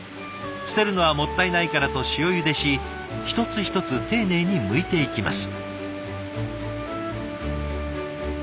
捨てるのはもったいないからと塩ゆでし一つ一つ丁寧にむいていきます。